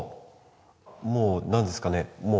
もう何ですかね